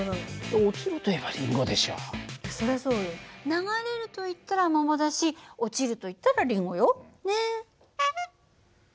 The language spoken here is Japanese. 流れるといったら桃だし落ちるといったらリンゴよ。ね！